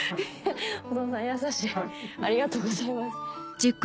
お父さん優しいありがとうございます。